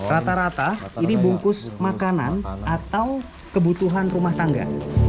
rata rata ini bungkus makanan atau kebutuhan rumah tangga